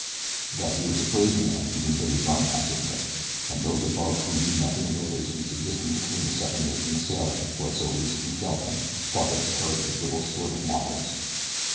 That he was a brave man even Billy Byrne had to admit, and those above who knew nothing of the relations existing between the second mate and the sailor, who had so recently felled him, thought that his courage was little short of marvelous.